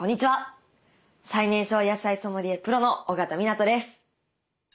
最年少野菜ソムリエプロの緒方湊です。